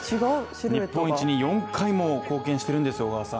日本一に４回も貢献しているんですよ。